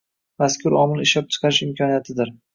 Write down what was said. Mazkur omil ishlab chiqarish imkoniyatidir.